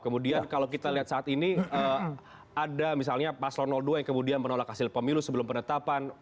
kemudian kalau kita lihat saat ini ada misalnya paslon dua yang kemudian menolak hasil pemilu sebelum penetapan